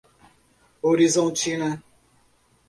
Horizontina